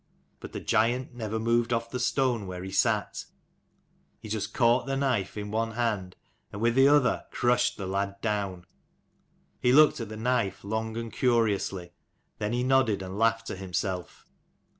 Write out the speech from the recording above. But the giant never moved off the stone where he sat : he just caught the knife in one hand, and with the other crushed the lad down. He looked at the knife long and curiously, then he nodded and laughed to himself.